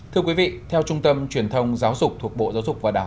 thưa quý vị theo trung tâm truyền thông giáo dục thuộc bộ giáo dục và đạo